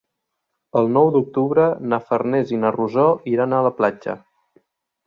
El nou d'octubre na Farners i na Rosó iran a la platja.